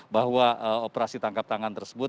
bahwa operasi tangkap tangan tersebut